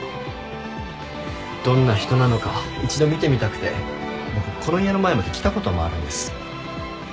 どんな人なのか一度見てみたくて僕この家の前まで来た事もあるんです。